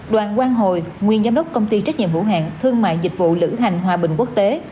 đoàn quang hồi nguyên giám đốc công ty trách nhiệm hữu hạng thương mại dịch vụ lữ hành hòa bình quốc tế